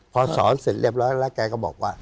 พอสอนเสร็จเรียบร้อยแล้วแกก็บอกว่า